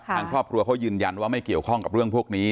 ทางครอบครัวเขายืนยันว่าไม่เกี่ยวข้องกับเรื่องพวกนี้